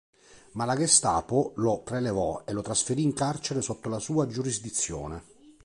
Ma la Gestapo lo prelevò e lo trasferì in carcere sotto la sua giurisdizione.